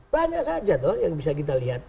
banyak saja tuh yang bisa kita lihat